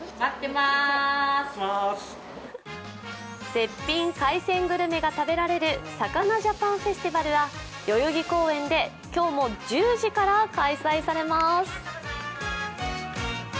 絶品海鮮グルメが食べられるＳＡＫＡＮＡ＆ＪＡＰＡＮＦＥＳＴＩＶＡＬは代々木公園で今日も１０時から開催されます。